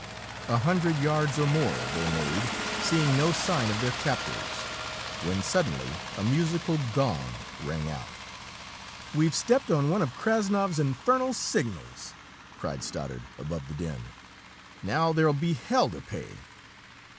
A hundred yards or more they made, seeing no sign of their captors, when suddenly a musical gong rang out. "We've stepped on one of Krassnov's infernal signals!" cried Stoddard, above the din. "Now there'll be hell to pay!"